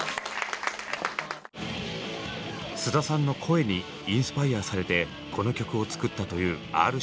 菅田さんの声にインスパイアされてこの曲を作ったというＲ−指定さん。